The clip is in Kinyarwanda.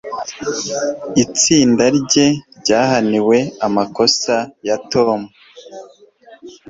itsinda ryose ryahaniwe amakosa ya tom